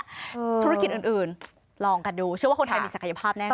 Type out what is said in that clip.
ธุรกิจอื่นลองกันดูเชื่อว่าคนไทยมีศักยภาพแน่น